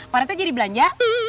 pak rete jadi belanja